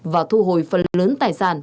và thu hồi phần lớn tài sản